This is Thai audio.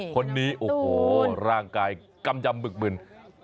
คนนี้โอ้โหร่างกายกำยำบึกมึน